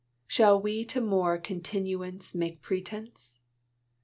Shall we to more continuance make pretence?